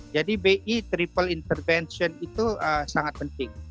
jadi bi triple intervention itu sangat penting